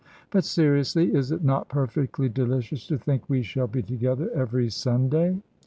But, seriously, is it not perfectly delicious to think we shall be together every Sunday?"